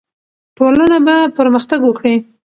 ټولنه به پرمختګ وکړي.